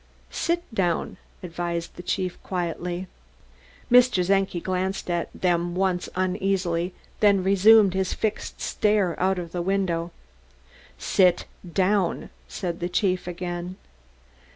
"Sit down," advised the chief quietly. Mr. Czenki glanced at them once uneasily, then resumed his fixed stare out of the window. "Sit down," said the chief again.